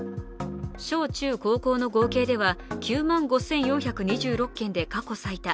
小中高校の合計では９万５４２６件で過去最多。